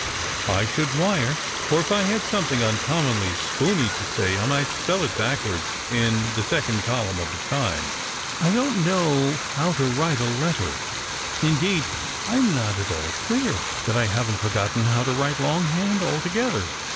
I should wire : or if I had something uncommonly spooney to say, I might spell it backwards in the second column of the Times. I don't know how to write a letter: indeed, I'm not at all clear that I haven't forgotten how to write long hand alto gether.